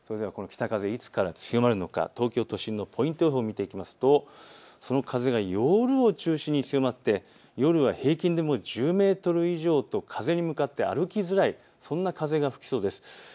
北風、いつから強まるのか、東京都心のポイント予報を見ていきますとその風が夜を中心に強まって夜は平均でも１０メートル以上と風に向かって歩きづらいそんな風が吹きそうです。